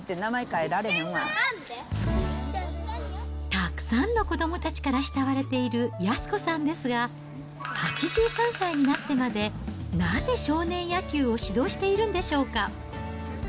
たくさんの子どもたちから慕われている安子さんですが、８３歳になってまで、なぜ少年野球を指導しているんでしょうか。